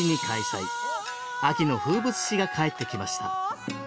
秋の風物詩が帰ってきました。